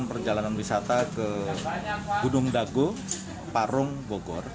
perjalanan wisata ke gunung dago parung bogor